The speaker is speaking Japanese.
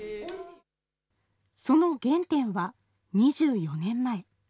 その原点は、２４年前。